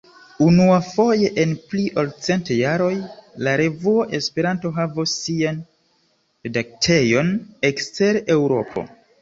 Unuafoje en pli ol cent jaroj, la revuo Esperanto havos sian redaktejon ekster Eŭropo.